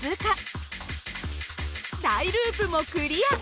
大ループもクリア。